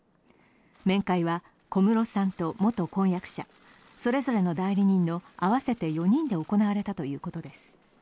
面会は小室さんと元婚約者それぞれの代理人と合わせて４人で行われたということです。